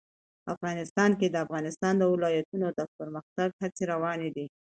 افغانستان کې د د افغانستان ولايتونه د پرمختګ هڅې روانې دي.